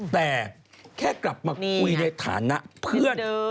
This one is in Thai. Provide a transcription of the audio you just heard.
แต่แค่กลับมาคุยในฐานะเพื่อน